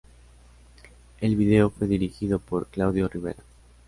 El video fue dirigido por Claudio Rivera.